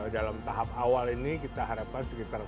dalam tahap awal ini kita harapkan sekitar tujuh belas